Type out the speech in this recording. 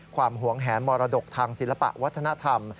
หวงแหนมรดกทางศิลปะวัฒนธรรม